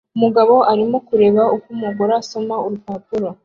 Umugabo arimo kureba uko umugore asoma urupapuro